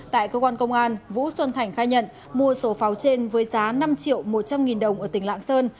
tại cơ quan công an vũ xuân thành khai nhận mua số pháo trên với giá năm triệu một trăm linh nghìn đồng ở tỉnh lạng sơn